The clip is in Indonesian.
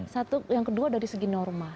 satu yang kedua dari segi norma